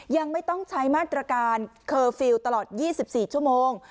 ยังไม่ต้องใช้มาตรการเคอร์ฟิลล์ตลอด๒๔ชั่วโมง